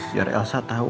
biar elsa tahu